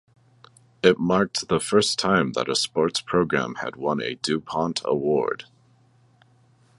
It marked the first time that a sports program had won a duPont award.